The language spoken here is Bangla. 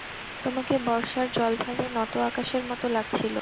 তোমাকে বর্ষার জলভারে নত আকাশের মতো লাগছিল।